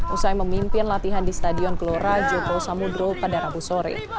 usai memimpin latihan di stadion gelora joko samudro pada rabu sore